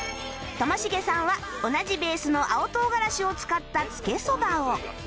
ともしげさんは同じベースの青唐辛子を使ったつけそばを